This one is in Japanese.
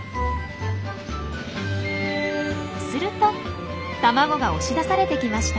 すると卵が押し出されてきました。